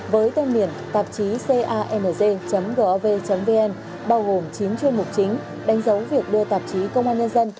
với tên miền tạp chí cang gov vn bao gồm chín chuyên mục chính đánh dấu việc đưa tạp chí công an nhân dân